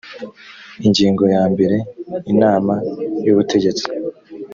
ingingo ya mbere inama y ubutegetsi